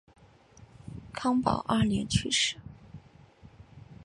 康保二年去世。